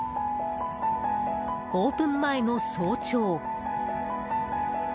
オープン前の早朝。